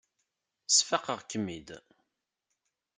Sfaqeɣ-kem-id.